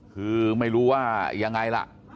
คือไม่รู้ว่ายังไงล่ะ